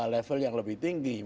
level yang lebih tinggi